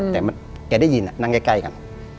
แต่แกได้ยินนั่งใกล้กัน